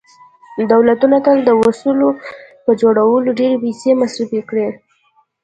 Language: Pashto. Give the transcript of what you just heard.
دولتونو تل د وسلو په جوړولو ډېرې پیسې مصرف کړي